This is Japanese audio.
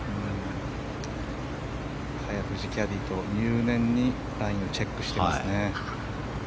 早藤キャディーと入念にラインをチェックしていますね。